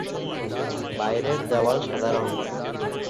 বাইরের দেওয়াল সাদা রং করা।